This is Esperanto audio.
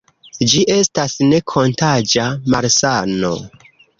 Ĝi estas ne-kontaĝa malsano.